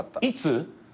いつ？